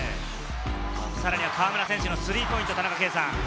さらに河村選手のスリーポイント、田中圭さん。